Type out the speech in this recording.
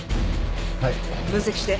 はい。分析して。